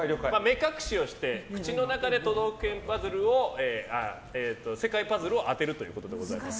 目隠しをして口の中で世界パズルを当てるということでございます。